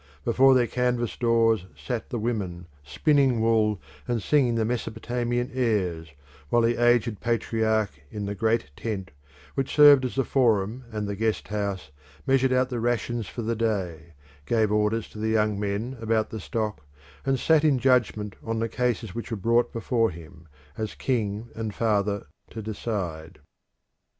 Before their canvas doors sat the women spinning wool and singing the Mesopotamian airs, while the aged patriarch in the Great Tent, which served as the forum and the guesthouse, measured out the rations for the day, gave orders to the young men about the stock, and sat in judgment on the cases which were brought before him, as king and father to decide.